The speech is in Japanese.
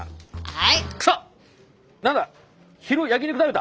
はい。